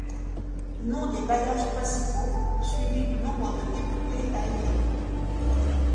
Noms des bailliages principaux, suivis du nombre de députés à élire.